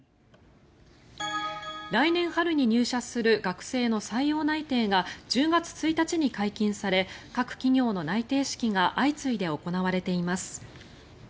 来年春に入社する学生の採用内定が１０月１日に解禁され各企業の内定式が相次いで行われています。